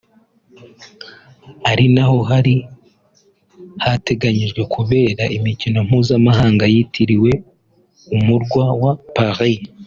ari naho hari hateganyijwe kubera imikino mpuzamahanga yitiriwe umurwa wa Paris